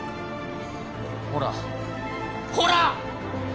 ほらほら！